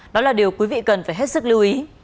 đó là điều quý vị cần phải hết sức lưu ý